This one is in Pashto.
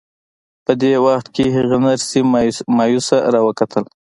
په دې وخت کې هغې نرسې مایوسه را وکتل